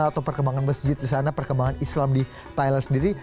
atau perkembangan masjid di sana perkembangan islam di thailand sendiri